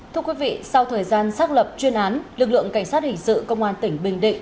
thưa quý vị sau thời gian xác lập chuyên án lực lượng cảnh sát hình sự công an tỉnh bình định